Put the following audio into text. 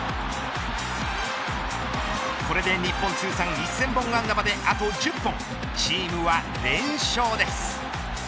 これで日本通算１０００本安打まであ、と１０本チームは連勝です。